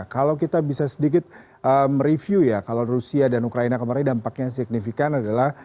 kalau kita bisa sedikit mereview ya kalau rusia dan ukraina kemarin dampaknya signifikan adalah